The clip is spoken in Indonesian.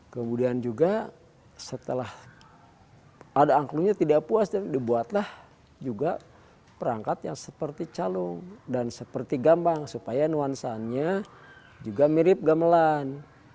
kemudian juga setelah ada angklungnya tidak puas dan dibuatlah juga perangkat yang seperti calung dan seperti gambang supaya nuansanya juga mirip gamelan